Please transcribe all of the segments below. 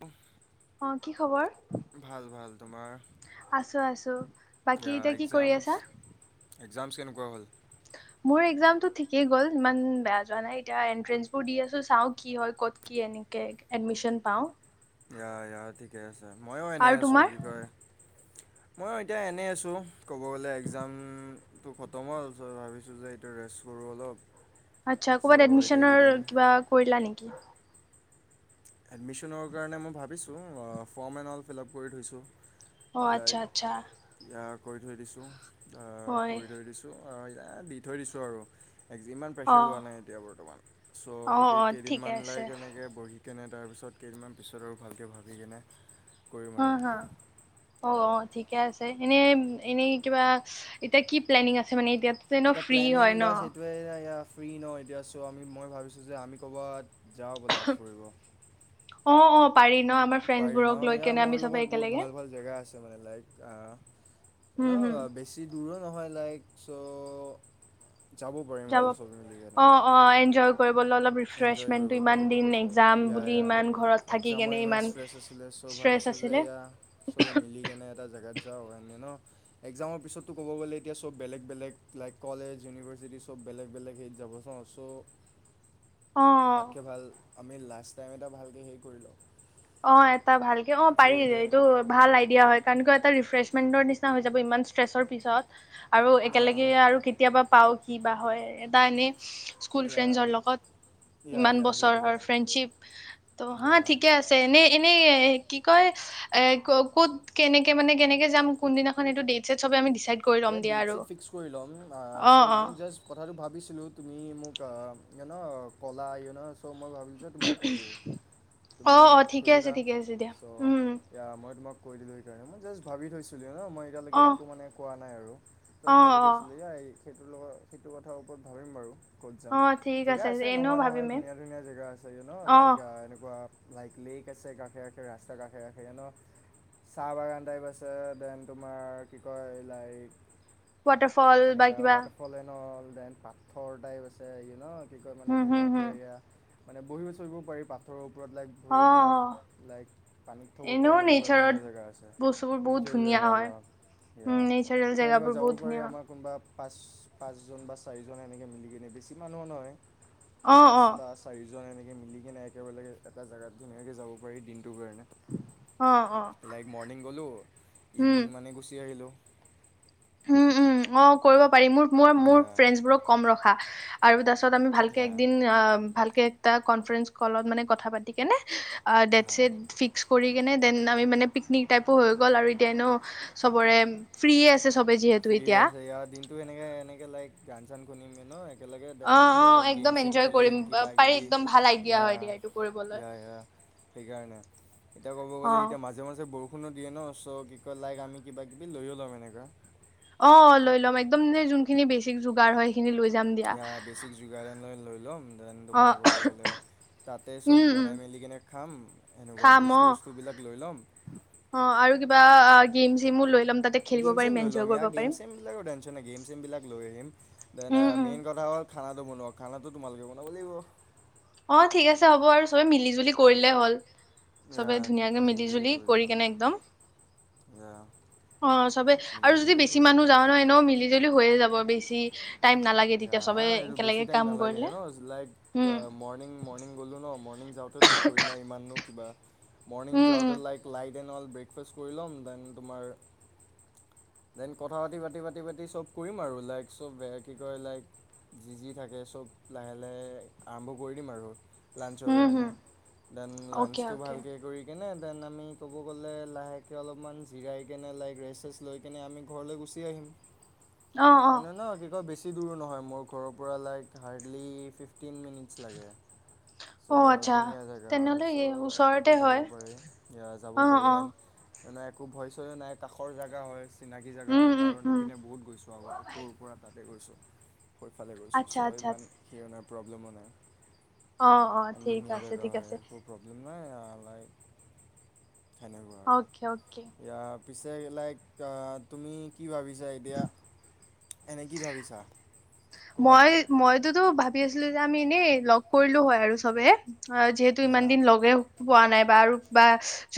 আহ উম কি খবৰ ভাল ভাল তোমাৰ আছো আছো বাকী য়া এতিয়া কি কৰি আছা এক্সামস এক্সামস কেনেকুৱা হ'ল মোৰ এক্সামতো ঠিকেই গল ইমান বেয়া যোৱা নাই এতিয়া এণ্ট্ৰেন্সবোৰ দি আছোঁ চাওঁ কি হয় কত কি এনেকে এডমিশ্যন পাওঁ। ইয়া ইয়া ঠিকে আছে ময়ো এনেই আৰু আছো তোমাৰ কি কয় মই এতিয়া এনেই আছো ক'ব গ'লে এক্সামম ইটো খতম হ'ল সো ভাবিছো যে এইটো ৰেষ্ট কৰো অলপ আচ্ছা কৰবাত চ' এতিয়া এডমিশ্যনৰ এইকেইদিন কিবা কৰিলা নেকি এডমিশ্যনৰ কাৰণে মই ভাবিছোঁ form and all fill up কৰি থৈছোঁ অ আচ্ছা লাইক আচ্ছা ইয়া কৰি থৈ দিছোঁ আহ হয় কৰি থৈ দিছো অ ইায়াত দি থৈ দিছোঁ আৰু আজি ইমান অ প্ৰেচাৰ লোৱা নাই এতিয়া বৰ্তমান চ' অ এই অ ঠিকে কেইদিনমান লাগ আছে এনেকে বহি কেনে তাৰপিছত কেইদিনমান পিছত আৰু ভালকৈ ভাবি কিনে হা হা অ অ ঠিকে আছে এনেই এনেই কিবা এতিয়া কি প্লেনিং আছে মানে এতিয়া এতিয়া প্লেনিং বাচ সেইটোৱে ইয়া ইয়াত ফ্ৰী ন এতিয়া চ' আমি মই ভাবিছোঁ যে আমি ক'ৰবাত যা হব লাভ কৰিব অ অপ পাৰি ন ইয়া মোৰ লগত বহুত একেলগে ভাল ভাল জেগা আছে মানে লাইক আহ উম এনো হুম বেছি দূৰত নহয় লাইক চ' যাব পাৰিম আৰু চব মিলিকিণে অ', অ', এনজয় কৰিবলৈ অলপ এনজয় ৰিফ্ৰেছমেণ্টটো কৰিব ইমান পাৰিম দিন এক্সাম ইয়া বুলি ইমান ঘৰত ইয়া থাকি কেনে একজামৰ ইমান ষ্ট্ৰেছ আছিলে চ' ষ্ট্ৰেছ ভাবিছো যে আছিলে ইয়া চবে মিলি কেনে এটা জেগাত যাওঁ কানে ন একজামৰ পিছতো ক'ব গ'লে এতিয়া চব বেলেগ বেলেগ লাইক কলেজ ইউনিভাৰ্চিটি চব বেলেগ বেলেগ সেইত যাব চওঁ চ' অ', তাতকে ভাল আমি লাষ্ট টাইম এটা ভালকৈ হেৰি কৰি লওঁঁ অ, এটা ভালকে অ, পাৰি যিহেতু এইটো ভাল আইডিয়া হয়, কাৰণ কিয় এটা ৰিফ্ৰেছ মিন্দও নিচিনা হৈ যাব, ইমান ষ্টেছৰ পিছত আৰু ইয়া একেলগে আৰু কেতিয়াবা পাওঁ কিবা হয় এটা এনেই স্কুল ইয়া ফ্ৰেণ্ডৰ লগত, ইয়া ইমান ইয়া সেইটোৱে বছৰৰ ফ্ৰেণ্ডশিপ, ত' হা, ইয়া ঠিকে আছে। এনে-এনেই কি কয়, এ ক ক'ত কেনেকে মানে কেনেকে যাম কোনদিনাখন, এইটো ডেট-ছেট চবে আমি দিছাই ইয়াত ডেট-ছেট ফিক্স কৰি লম, আ অ চ অ মই জাষ্ট কথাটো ভাবিছিলোঁ তুমি মোক, ইউনো ক'লা ইউনো চ' মই ভাবিলোঁ যে তোমাক কৈ দিওঁ, অ তুমিও অ মোক ঠিকে আছে সুধিলা ঠিকে আছে দিয়া ছ' উম এয়া মই তোমাক কৈ দিলো সেইকাৰণে, মই জাষ্ট ভাবি থৈছিলোঁ। ইউনো, মই এতিয়ালৈকে অ একো মানে নাই আৰু ত অ ভাবি অ থৈছিলোঁ, এয়া এই সেইটোৰ লগত, সেইটো কথাৰ ওপৰত ভাবিম বাৰু ক'ত যাম? অ ঠিক জেগা আছে, এনেও নোহোৱা নহয়, ভাবিমে ধুনীয়া-ধুনীয়া জেগা আছে, ইউনো অ লাইক এনেকুৱা লাইক লি কেছে, কাষে-কাষে ৰাস্তাৰ, কাষে- কাষে, ইউনো, চাহ বাগান টাইপ আছে, দেন তোমাৰ কি কয়? লাইক ৱাটাৰফল বা কিবা ডেন পাথৰ টাইপ আছে, ইউনো কি কয় মানে, হম হম ধুনীয়াকে হম এইয়া মানে, বহিব, চলিব পাৰি পাথৰ ওপৰত ওপৰত, লাইক অ অ ভৰিবিলাক লাইক পানীত থ'ব এনেও পাৰি, এনেকুৱা নেচাৰত ধুনীয়া জেগা আছে, বস্তুবোৰ নেচাৰেল জেগা, ইয়া-ইয়া ৰেল জেগাবোৰ বহুত ধুনীয়া। পাঁচ-পাঁচজন বা চাৰিজন এনেকে মিলি কেনে, বেছি মানুহ নহয়। অ পাঁচ অ বা চাৰি। এনেকে মিলি কিনে, একেলগে এটা জেগাত ধুনীয়াকে যাব পাৰি, দিন ফুৰিব কাৰণে, অ অ লাইক মৰ্ণিং গ'লো ইভিনিং মানে গুচি আহিলোঁ। উম-উম, অ, কৰিব পাৰি, মোৰ মোৰ-মোৰ, ইয়া ফ্ৰেণ্ডছবোৰক কম ৰখা আৰু দচ তাত আমি ভালকে ইয়া একদিন, ভালকে টা কনফাৰেনঞ্চ কলত মানে, কথা পাতি কেনে হা ডেট-ছেট ফিক্স কৰি দেন আমি মানে পিকনিক টাইপো হৈ গ'ল আৰু এতিয়া এনেও চবৰে ফ্ৰি আছে চবে যিহেতু ফ্ৰি এতিয়া আছে ইয়াৰ দিনটো এনেকে এনেকে লাইকান কান কনিমে ন একেলগে দেন অ', কি অ', কয় একদম গেম চেম এনজয় কৰিম খেলিম পাৰি কিবাকিবি একদম ভাল আইডিয়া ইয়া হয় দিয়া এইটো কৰিবলৈ ইয়া সেইকাৰণে এতিয়া ক'ব গ'লে অ', এতিয়া মাজে মাজে বৰষু ফোনো দিয়ে ন চ' কি কয় লাইক আমি কিবা কিবি লৈয়ো ল'ম এনেকুৱা অ অ লৈ ল'ম একদম ন যোনখিনি বেছিক যোগাৰ হয়। সেইখিনি লৈ যাম দিয়া ই বেছিক যোগাৰ লৈ লৈ ল' দেন তোমাৰ অ', ক'ব গ'লে তাতে চব উম, উম, বনাই মেলি কিনে খাম এনেকুৱা খাম অ'। বস্তু চস্তূবিলাক লৈ ল'ম কিম চিমো লৈ ল'ম তাতে খেলিব গেম পাৰিম চেম লৈ এনজয় লম কৰিব ইয়াৰ পাৰিম। গেম চেম বিলাকৰ টেনচন গেম চেম বিলাক লৈ আহিম দেন মেইন কথা হ'ল খানাটো বনোৱা খানাটো তোমালোকে বনাব লাগিব অ ঠিক আছে হ'ব আৰু চবে মিলি জুলি কৰিলেই হ'ল। এয়া চবে ধুনীয়াকে মিলি মিলিজুলি জুলি কৰিলে কৰি হ'ল কেনে একদম এয়া অ চবেই আৰু যদি মিলিজুলি বেছি কৰি মানুহ ল'বা যাওঁ ন এনেও মিলি জুলি হৈয়ে যাব বেছি। দি আহ এইটো বেছি টাইম নালাগে কৰিলে হেন লাইক উম মৰ্ণিং মৰ্ণিং গলো ন মৰ্ণিং যাওঁতে ধৰি না ইমাননো কিবা মৰ্নিং উম যাওঁতে um like light then all breakfast কৰি ল'ম দেন তোমাৰ দেন কথা পাতি পাতি পাতি পাতিয়েই চব কৰিম আৰু লাইক চব কি কয় লাইক যি যি থাকে চব লাহে লাহে আৰম্ভ কৰি দিম আৰু লাঞ্চৰ উম হুম কাৰণে দেন অ'কে লাঞ্চটো অ'কে ভালকৈ কৰি কেনে ন আমি ক'ব গ'লে লাহেকে অলপমান জিৰাই কেনে লাইক ৰেচ চেছ লৈ সেই কেনে আমি ঘৰলৈ গুচি আহিম অ অ এনে ন কি ক বেছি বছি দূৰ নহয় মোৰ ঘৰৰ পৰা like hardly fifteen minutes লাগে অ চ' আচ্ছা ধুনীয়া জেগা হয় তেনেহ'লে চ' এই তাতে ওচৰতে যাব হয় পাৰি যাব অ পাৰি অ এণ্ড এনে একো ভয় চয়ো নাই কাষৰ জেগা হয় চিনাকি জেগা উম হয় উম কাৰণ উম ইপিনে বহুত গৈছোঁ আগতে সৰুৰ পৰা তাতে গৈছোঁ সফালে গৈছোঁ আচ্ছা ছয় আচ্ছা ইমান সিৰণাৰ প্ৰব্লেমো নাই অ অ এণ্ড ঠিক ধুনীয়া আছে জেগা ঠিক হয় আছে। একো প্ৰব্লেম নাই ই লাই সনেকুৱা আৰু অকে অকে ইয়াৰ পিছে লাইক ক তুমি কি ভাবিছা এতিয়া এনে কি ভাবিছা ক'ৰবাত মই মইতোতো ভাবি আছিলো আমি এনেই লগ কৰিলো হয় আৰু চবে অ যিহেতু ইমান সেয়া দিন লগে পোৱা নাই বা আৰু বা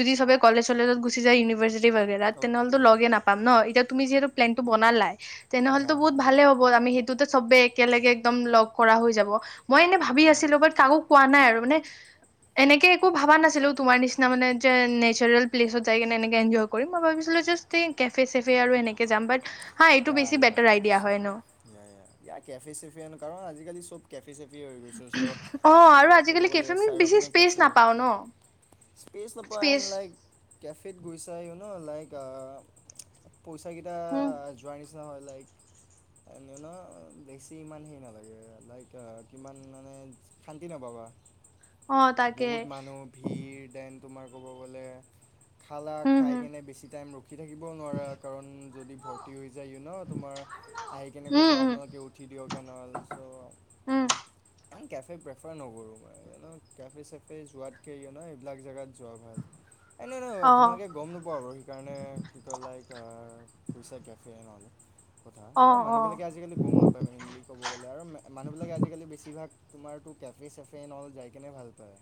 যদি সবে কলেজ চলেজত গুচি যায় ইউনিভাৰ্চিটি বাগেৰা তেনেহ'লেতো অ'কে লগে নাপাম ন এতিয়া তুমি যিহেতু্লেন বনালাই হা হা হ আমি সেইটোতে চবে একেলগে একদম লগ কৰা হৈ যাব মই এনে ভাবি আছিলো য়া বাট কাকো কোৱা নাই আৰু মানে এনেকে একো ভাবা নাছিলো তোমাৰ নিচিনা মানে যে নেচাৰেল প্লেচত যাই কিনে এনেকে এনজয় কৰিম মই ভাবিছিলো জা কে চেফে আৰু এনেকে যাম হা এইটো বছি বেতেৰাইত নি কেফে চেফে এ কৰ ন আজি খালিব কেফে চপি চেপি হৈ গৈছো চ' অ', আৰু ক'ব আজিকালি গ'লে কেফে মানে চাইৰ' বেছি পিনে স্পেচ কেফে নাপাও ন স্পেচ নপোৱা এন স্পেচ লাইক কেফেত গৈছাই লাইক পইচাকেইটা উম। চ হয় লাইক এ ন বেছি ইমান হেৰি নালাগে লাইক কিমান মানে শান্তি নাপাবা অ', তাকে বহুত মানুহ ভিৰ দেন তোমাৰ ক'ব গ'লে খালা উম, খাই হম, কেনে বেছি টাইম ৰখি থাকিবও নোৱাৰা কাৰণ যদি ভৰি যায় ন তোমাৰ আহি কেনে ক'ব উম, উম, আপোনালোকে উঠি দিয়কগে নহ'ল উম, চ' এনে কেফে প্ৰেফাৰ নকৰোঁ মই ন কেফে চেফে যোৱাতকৈ ন এইবিলাক জেগাত যোৱা ভাল এনে ন অ', তোমাকে গম নোপোৱা আৰু সেইকাৰণে কি কয় লাইক পুইছাক কেইনল কথা আৰু অ', অ', মানুহবিলাকে আজিকালি গম নাপায় মেইনলি'ব গ'লে আৰু মানুহবিলাকে আজিকালি বেছিভাগ তোমাৰটো কেফে চেফেনল যাই কেনে ভাল পায়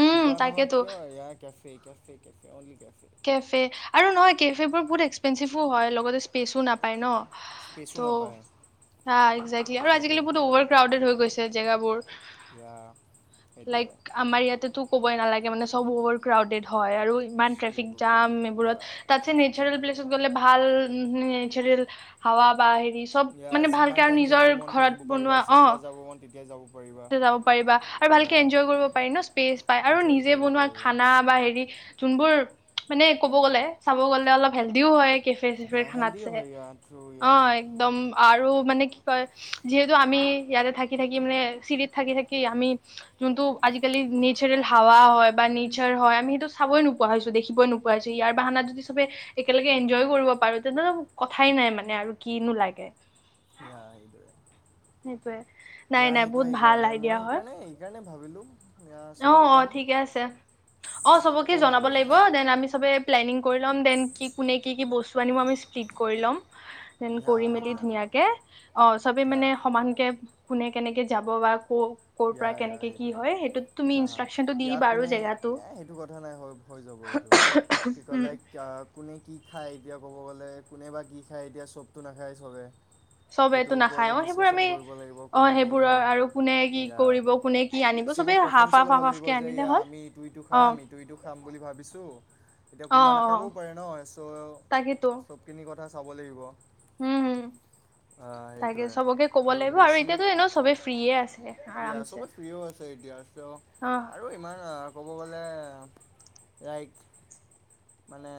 উম, কিবা নহওক তাকেতো কিয় এয়াৰ কেফে ঠিকেঠিক আছে অ অনল কে কেফে আৰু নহয় কেফে বোৰ বহুত এক্সপেঞ্চিভো হয় লগতে স্পেচো নাপায় ন স্পেচো নাপায় ত' হা একজেকলি আৰু সেইটোৱে আজিকালি বহুত অভাৰ ক্ৰাউডেড হৈ গৈছে জেগাবোৰ ইয়া সেইটোৱে লাইক আমাৰ ইয়াতেতো ক'বই নালাগে এতিয়া মানে চব অভাৰ ক্ৰাউডেড হয় আৰু ইমান চব ট্ৰেফিক দাম অভাৰক্ৰাউডেড ইয়া এইবোৰত, তাতছে ট্ৰেফিক নেচাৰেল জাম এণ্ড প্লেছত অল গ'লে ভাল উমহো নেচাৰেল হাৱা বা সে চব ইয়া মানে যিমান ভালকে আৰু টাইম থাকিব নিজৰ মন থাকিব ঘৰত পাৰিবা বনোৱা অ যেতিয়া যাব মন তেতিয়া যাব পাৰিবা যাব পাৰিবা আৰু ইয়া ভালকে এনজয় কৰিব পাৰি ন স্পেচ পাই আৰু এনজয় নিজে কৰিব বনোৱা পাৰিবা খানা বা হেৰি যোনবোৰ মানে ক'ব গ'লে চাব গ'লে অলপ হেল্ডিও হয় কেফে চেফেৰ ইয়া হেল্ডি খানাতছে হয় ইয়া থ্ৰু ইয়া অ একদম আৰু মানে কি কয় যিহেতু আমি ইয়াতে থাকি থাকি মানে চিটিত থাকি থাকি আমি যোনটো আজিকালি নেচাৰেল হাৱা হয় বা নেচাৰ হয় আমি সেইটো চাবই নোপোৱা হৈছো দেখিবই নোপোৱা হৈছো ইয়াৰ বাহানাত যদি চবে একেলগে এনজয় কৰিব পাৰোঁ তেন্ত কথাই নাই মানে আৰু কিনো লাগে ইয়া এইটোৱে সেইটোৱে নাই নাই বহুত ভাল সেইকাৰণে মই আইডিয়া হয় সেইকাৰণে সেইকাৰণে ভাবিলোঁ ইয়া অ চবকে অ ক'ম ঠিকে আছে অ চবকে ক'ম জনাব আৰু লাগিব দেন আমি চবে প্লেনিং কৰি লম দেন কি কোনে কি কি বস্তু নিব আমি স্প্লিত কৰি ল'ম দেন ইয়া কৰি মেলি সেইটোৱে ধুনীয়াকে অ চবে ইয়া মানে সেনকে কোনে কেনেকে যাব বা ক ক'ৰ ইয়া পৰা ইয়া কেনেকে কি এইটোয়ে হয় সেইটোত তুমি হা হা ইনষ্ট্ৰাকচনটো দি ইয়াৰ দিবা আৰু কোনে জেগাটো এ সেইটো কথা নাই হৈ হৈ যাব সেইটো কি উম কলে কোনে কি খায় এতিয়া ক'ব গ'লে কোনে বা কি খায় এতিয়া চবটো নাখায় চবে চব এইটো সেইটোৰ নাখায় ওপৰতো অ সেইবোৰ ডিছকাশ্যন আমি কৰিব লাগিব অ কোনে কি সেইবোৰ খায় আৰু কোনে কি ইয়া কৰিব কোনে কি আনিব চব চবে হাফ প্ৰেফাৰেঞ্চো হাফ ল'ব হাফ লাগিব হাফকে যে আনিলে ইয়া হ'ল আমি ইটো ইটো অ খাম ইটো ইটো খাম বুলি ভাবিছোঁ এতিয়া অ কোনোবা অ নাখাবও পাৰে ন তাকেতো চ' চবখিনি কথা চাব লাগিব। উম হোম আহ, তাকে সেইটোৱে চবকে ক'ব লাগিব আৰু এতিয়াতো এনেও চবে ফ্ৰেয়ে ইয়া চবে ফ্ৰিয় আছে এতিয়া চ অহ আৰু ইমান ক'ব ক'ব গ'লে লাইক। মানে।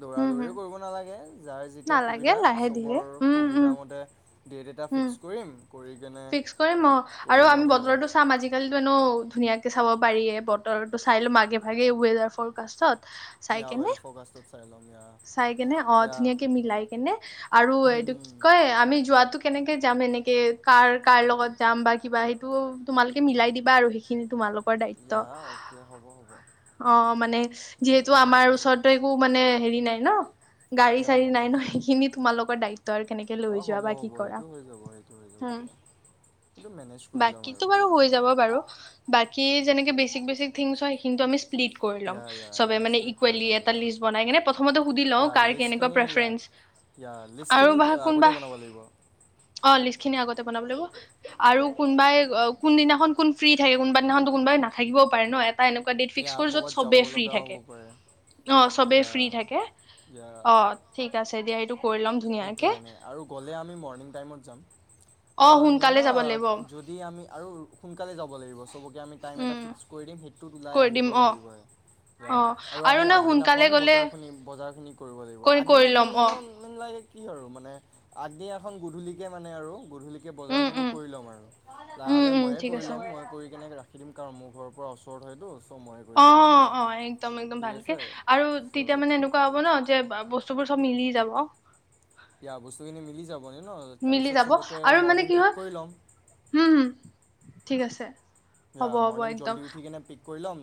দৌৰা উম হম দৌৰিও কৰিব নালাগে যাৰ যেতিয়া নালাগে সুবিধা লাহে ধীৰে চবৰ উম উম সুবিধামতে। ডেট এটা উম ফিক্স কৰিম কৰি। কেনে ফিক্স কৰিম অ আৰু কৰি আমি ল'ম বতৰটো চাম আজিকালিতো এনেও। ধুনীয়াকে চাব পাৰিয়ে বতৰটো চাই ল'ম আগে ভাগে ৱেডাৰ ফ'ৰকাষ্টত। চাই ইয়া কেনে ৱেডাৰ ফ'কাষ্টত চাই ল'ম ইয়া চাই কেনে অ ইয়া ধুনীয়াকে মিলাই কেনে আৰু এইটো কি হুম, কয় আমি যোৱাতো কেনেকে যাম এনেকে। তে কাৰ-কাৰ লগত যাম বা কিবা সেইটো তোমালোকে মিলাই দিবা আৰু সেইখিনি তোমালোক য়িত্ব ইয়া অ'কে হ'ব হ'ব অ মানে সেইখিনি যিহেতু মিলাই আমাৰ ল'ম ওচৰতো একো মানে হেৰি নাই ন গাড়ী ইয়া চাড়ী গম নাই ন পাইছোঁ সেইখিনি তোমালোকৰ দায়িত্ব আৰু কেনেকে লৈ অঁ যোৱা হ'ব বা কি হ'ব কৰা। সেইটো হৈ যাব সেইটো হৈ যাব উ দিয়া সেইটো মেনেজ কৰি ল'ম বাকীটো আৰু বাৰু হৈ যাব বাৰু বাক কি যেনেকে বেচিক-বেচিক থিংছ হয় সেইখিনিতো আমি ডিট কৰি ল'ম ইয়া ইয়া চবে ইয়া মানে স্প্লিট কৰি ইকুৱেলি ল'ম এটা ইয়া লিষ্ট বনাই কেনি প্ৰথমতে সুধি লও ইয়া কাৰ কেনেকে লিষ্টখিনি ইয়া ইয়া প্ৰেফেৰেন্স আৰু লিষ্টখিনি বা কোনবা আগতে বনাব লাগিব অ লিষ্ট খিনি আগতে বনাব লাগিব আৰু কোনোবাই অ কোনদিনাখন কোন ফ্ৰী থাকে কোনোবা দিনাখনো কোনোবাই নাথাকিবও পাৰে ন এনেকুৱা ডট ফিক্স ইয়া কৰো য'ত ক'ৰবাত সবে যাব ফ্ৰী লগাও থাকে হ'ব পাৰে অ চবেই ইয়া ফ্ৰী থাকে ইয়া অ ঠিক আছে দিয়া এইটো কৰি ল'ম ধুনীয়াকে সেইকাৰণে আৰু গ'লে আমি মৰ্ণিং টাইমত যাম। অ কাৰণ সোনকালে ন যাব লাগিব যদি আমি আৰু সোনকালে যাব লাগিব চবকে আমি টাইম এটা উম ফিক্স কৰি দিম সেই ত ওলাই কৰি আহিব দিম অ লাগিবয়ে ৷ ইয়া অ আৰু আমি না সোনকালে আগদিনাখন গলে বজাৰ খুনি জাৰ খিনি। ব কৰি কৰি আগদিনাখন ল'ম ইউ অ ন কি আৰু মানে আগদিনাখন গধূলিকে মানে আৰু। গধূলিকে উম বজাৰখিনি উম কৰি ল'ম আৰু উম লাহ-লাহে উম ময়ে ঠিক কৰি আছে ল'ম মই কৰি কেনে ৰাখি দিম। কাৰণ মোৰ ঘৰৰ পৰা ওচৰত হয়তো। চ' ময়ে কৰি কেনে ৰাখি ল'ম অ-অ একদম-এক্দম ঠিক ভালকে আছে আৰু চ' তেতিয়া মানে এনেকুৱা হ'ব ন যে বস্তুবোৰ মিলি যাব। ইয়া বস্তুখিনি মিলি যাব ইউ ন মিলি তাৰপিছত যাব চবকে আৰু মানে মৰ্ণিং কি পিক হয় কৰি ল'ম। উম হম ঠিক আছে। ইয়া হ'ব হ'ব মৰ্ণিং একদম জল্দি উঠি কিনে পিক কৰি ল'ম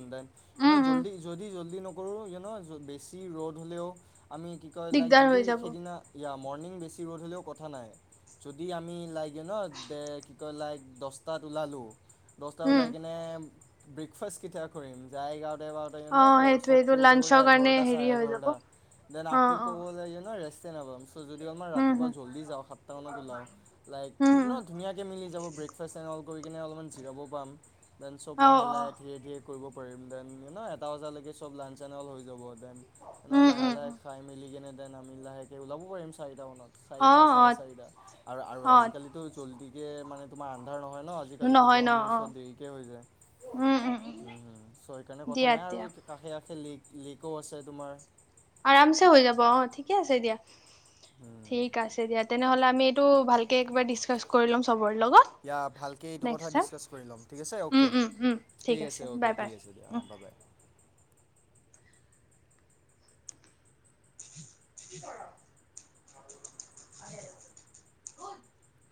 উম দেন উম জল্দি যদি জল্দি নকৰোঁ ইউ ন বেছি ৰ'দ হ'লেও আমি কি কয় লাইক দিগদাৰ যদি হৈ যাব সেইদিনা ইয়াম মৰ্ণিং বেছি ৰ'দ হ'লেও কথা নাই যদি আমি লাইকে ন দে কি কয় লাইক দহটাত ওলালোঁ দচটা উম ওলাই কিনে ব্ৰেকফাষ্ট কেতিয়া কৰিম যায়গ চাৰে এঘাৰটা দেন অ সেইটোৱেইটো কৰোঁতে লাঞ্চৰ কাৰণে কৰআকৌ হেৰি চাৰে হৈ যাব এঘাৰটা দেন অ আকৌ অ ক'বলেৰে [unintelligible] তে নৱম [unintelligible] যদি অলপ উম ৰাতিপুৱা হম জলদি যাওঁ সাতটামানত ওলাওঁ লাইক উম, কিমান ধুনীয়াকৈ মিলি যাব ব্ৰেকফাষ্ট এড অল কিনে অলপমান জিৰাব পাম দেন চব অ', লাহে লাহে, অ', ধেৰ ধেৰ কৰিব পাৰিম দেন, এনেও এটা বজালৈকে চব লাইন চাইন এ এনে উম, লাহে উম, লাহে উম, খাই মেলি কেনে নামি লাহেকে ওলাব পাৰিম চাৰিটা মানত। চাৰিটা, অ', চাৰে অ', চাৰিটা আৰু আৰু অ', আজিকালিতো জল্দি এ মানে তোমাৰ নহয় ন আজি কালিতো নহয় ন গৰম দিন চব অ', দেৰিকে হৈ যায়। উম হম, চ' সেইকাৰণে কথা দিয়া নাই আৰু দিয়া কাষে কাষে লে লিকো আছে তোমাৰ আৰামছে হৈ যাব, অ ঠিকে আছে দিয়া। ঠিক আছে দিয়া, তেনেহলে আমি তো ভালকে একবাৰ ডিছকাছ কৰি ল'ম চব দিয়া ভালকে এইটো কথা ডিছকাছ কৰি ল'ম ঠিক আছে উম, অ'কে, উম, উম, ঠিক আছে বাই অ'কে ঠিক বাই আছে দিয়া উম। অঁ। [unintelligible]